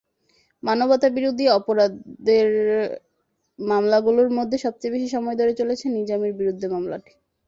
মানবতাবিরোধী অপরাধের মামলাগুলোর মধ্যে সবচেয়ে বেশি সময় ধরে চলেছে নিজামীর বিরুদ্ধে মামলাটি।